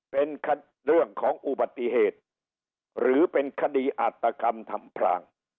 เป็นเรื่องของอุบัติเหตุหรือเป็นคดีอาตกรรมทำพราง